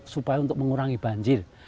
supaya untuk mengurangi banjir